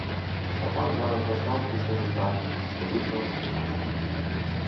Сцяпан зараз дастаў з кішэні карты, што выйграў на кірмашы.